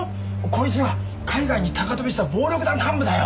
こいつが海外に高飛びした暴力団幹部だよ！